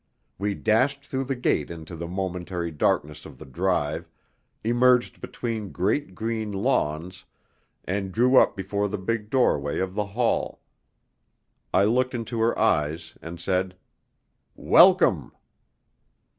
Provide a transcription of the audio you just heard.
We dashed through the gate into the momentary darkness of the drive, emerged between great green lawns, and drew up before the big doorway of the hall. I looked into her eyes, and said "Welcome!"